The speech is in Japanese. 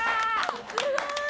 すごい！